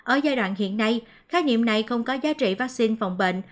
ở giai đoạn hiện nay khái niệm này không có giá trị vaccine phòng bệnh